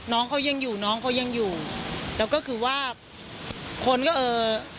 น้องเขายังอยู่น้องเขายังอยู่แล้วก็คือว่าคนก็เอ่อ